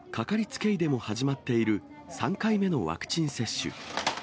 かかりつけ医でも始まっている、３回目のワクチン接種。